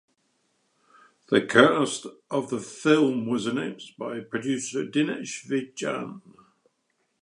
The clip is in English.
The cast of the film was announced by producer Dinesh Vijan.